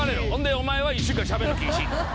ほんでお前は１週間しゃべるの禁止。